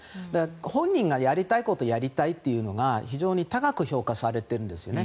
本人がやりたいことをやりたいというのが非常に高く評価されているんですよね。